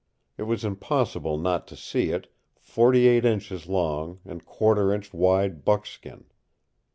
It was impossible not to see it, forty eight inches long and quarter inch wide buckskin.